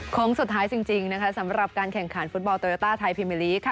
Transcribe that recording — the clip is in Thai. สุดท้ายจริงนะคะสำหรับการแข่งขันฟุตบอลโตโยต้าไทยพิมิลีกค่ะ